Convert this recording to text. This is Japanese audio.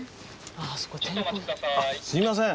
すいません。